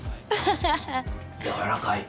やわらかい。